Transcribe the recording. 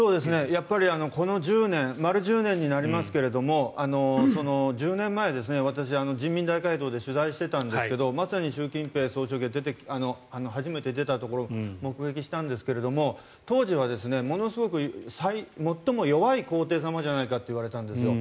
やっぱりこの１０年丸１０年になりますが１０年前、私人民大会堂で取材していたんですがまさに習近平総書記が初めて出たところを目撃したんですが当時はものすごく最も弱い皇帝様じゃないかと言われたんですよ。